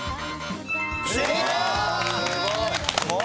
正解！